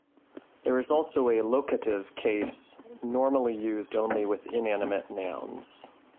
There is also a locative case, normally used only with inanimate nouns.